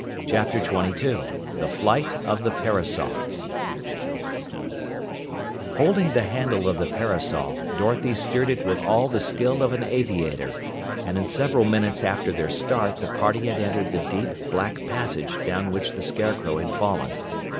CHAPTER 22 THE FLIGHT OF THE PARASOL Holding the handle of the parasol, Dorothy steered it with all the skill of an aviator, and in several minutes after their start the party had entered the deep, black passage down which the Scarecrow had fallen.